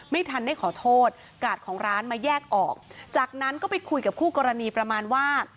ไม่ทันได้ขอโทษกาดของร้านมาแยกออกจากนั้นก็ไปคุยกับคู่กรณีประมาณว่า